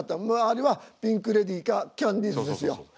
周りはピンク・レディーかキャンディーズですよ。